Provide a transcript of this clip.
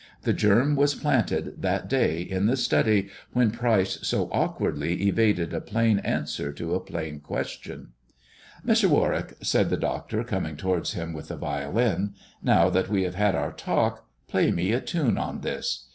The germ was planted that day in the study, when Pryce so awkwardly evaded a plain answer to a plain question. Mr. Warwick," said the doctor, coming towards him with the violin, " now that we have had our talk, play me a tune on this.